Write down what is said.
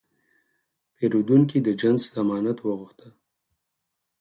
پیرودونکی د جنس ضمانت وغوښته.